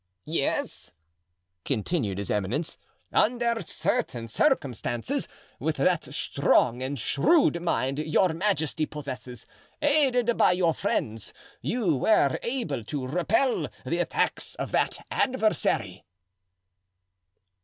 "Yes," continued his eminence; "under certain circumstances, with that strong and shrewd mind your majesty possesses, aided by your friends, you were able to repel the attacks of that adversary."